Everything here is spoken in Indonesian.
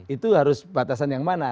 itu harus batasan yang mana